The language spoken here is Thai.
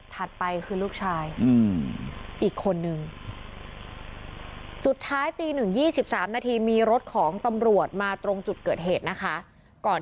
ถัดไปคือลูกชาย